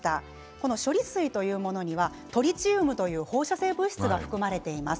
この処理水というものにはトリチウムという放射性物質が含まれています。